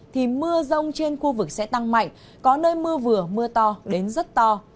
thì mưa rông trên khu vực sẽ tăng mạnh có nơi mưa vừa mưa to đến rất to